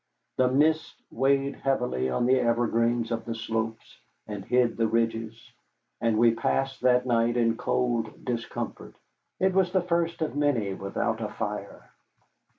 The mists weighed heavily on the evergreens of the slopes and hid the ridges, and we passed that night in cold discomfort. It was the first of many without a fire.